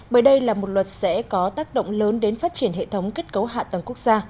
bởi đây là một luật sẽ có tác động lớn đến phát triển hệ thống kết cấu hạ tầng quốc gia